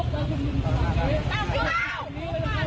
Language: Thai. จะดูชุดของด้วยหรือเปล่า